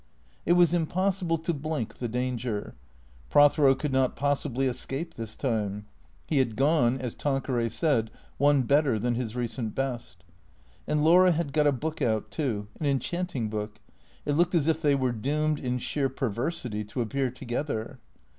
It was impossible to blink the danger. Prothero could not possibly escape this time. He had gone, as Tanqueray said, one better than his recent best. And Laura had got a book out, too, an enchanting book. It looked as if they were doomed, in sheer perversity, to appear together.